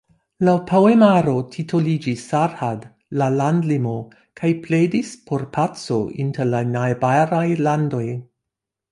La poemaro titoliĝis "Sarhad" (La landlimo) kaj pledis por paco inter la najbaraj landoj.